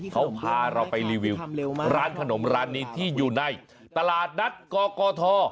เขาพาเราไปรีวิวร้านขนมร้านนี้ที่อยู่ในตลาดนัดกกท